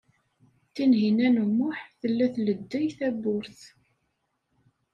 Tinhinan u Muḥ tella tleddey tawwurt.